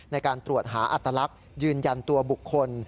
ในการตรวจหาอัตลักษณ์ยืนยันตัวบุคคล